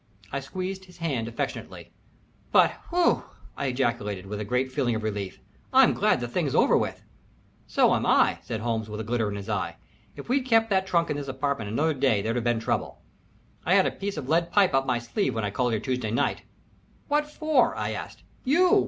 I squeezed his hand affectionately. "But he ew!" I ejaculated, with a great feeling of relief. "I'm glad the thing's over with. "So am I," said Holmes, with a glitter in his eye. "If we'd kept that trunk in this apartment another day there'd have been trouble. I had a piece of lead pipe up my sleeve when I called here Tuesday night." "What for?" I asked. "You!"